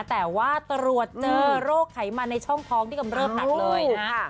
แต่ว่าตรวจเจอโรคไขมันในช่องท้องที่กำเริบหนักเลยนะ